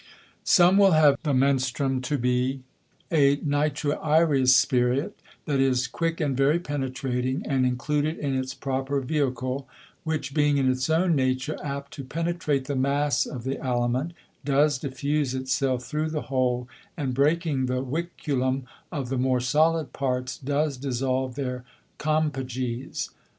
Some will have the Menstruum to be a nitro aerius Spirit, that is, quick, and very penetrating, and included in its proper Vehicle; which, being in its own Nature apt to penetrate the Mass of the Aliment, does diffuse it self through the Whole, and breaking the Vinculum of the more solid Parts, does dissolve their Compages.